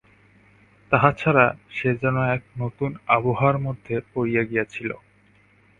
তাহা ছাড়া, সে যেন এক নূতন আবহাওয়ার মধ্যে পড়িয়া গিয়াছিল।